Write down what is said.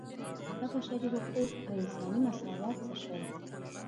هغه بشري حقوق او انساني مساوات څه شول.